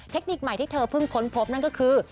เทคนิคใหม่ที่เธอเพิ่งค้นพบนั่นก็คือ